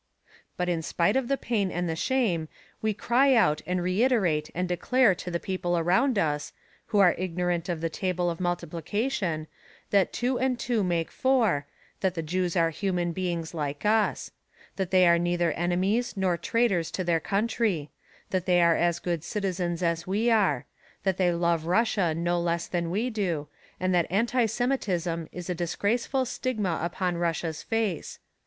But in spite of the pain and the shame we cry out and reiterate and declare to the people around us, who are ignorant of the table of multiplication, that two and two make four, that the Jews are human beings like us; that they are neither enemies nor traitors to their country; that they are as good citizens as we are; that they love Russia no less than we do, and that anti Semitism is a disgraceful stigma upon Russia's face.